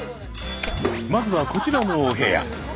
まずはこちらのお部屋。